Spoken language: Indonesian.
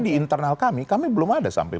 di internal kami kami belum ada sampai